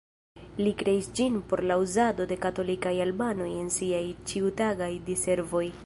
Li kreis ĝin por la uzado de katolikaj albanoj en siaj ĉiutagaj diservoj.